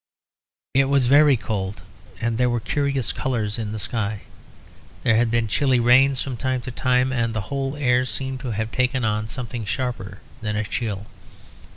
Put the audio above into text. It was very cold; and there were curious colours in the sky. There had been chilly rains from time to time; and the whole air seemed to have taken on something sharper than a chill.